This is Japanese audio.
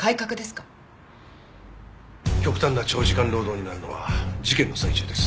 極端な長時間労働になるのは事件の最中です。